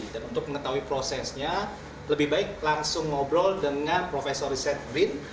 dan untuk mengetahui prosesnya lebih baik langsung ngobrol dengan prof riset rin